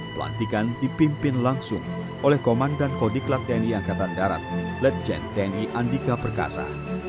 pelantikan dipimpin langsung oleh komandan kodiklat tni angkatan darat ledjen tni andika perkasa